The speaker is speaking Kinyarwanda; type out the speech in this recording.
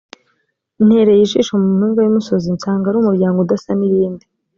ntereye ijisho mu mpinga y’imisozi, nsanga ari umuryango udasa n’iyindi.